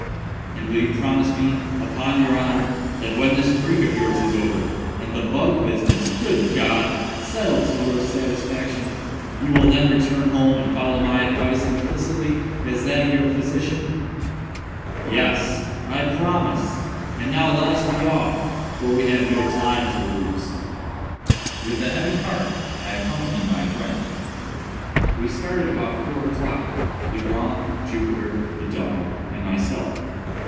"And will you promise me, upon your honor, that when this freak of yours is over, and the bug business (good God!) settled to your satisfaction, you will then return home and follow my advice implicitly, as that of your physician?" "Yes; I promise; and now let us be off, for we have no time to lose." With a heavy heart I accompanied my friend. We started about four o'clock—Legrand, Jupiter, the dog, and myself.